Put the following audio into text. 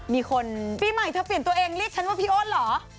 มีคนปีใหม่เธอเปลี่ยนตัวเองเรียกฉันว่าพี่โอนเหรอ